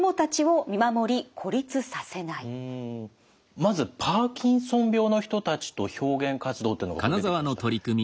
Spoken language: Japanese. まず「パーキンソン病の人たちと表現活動」っていうのが出てきました。